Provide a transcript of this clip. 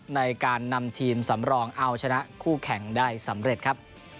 ในการนำทีมสำรองเอาชนะคู่แข่งได้สำเร็จครับ